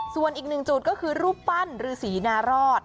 ส่วนอีกหนึ่งจุดก็คือรูปปั้นฤษีนารอด